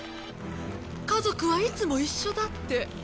「家族はいつも一緒だって」